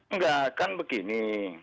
enggak kan begini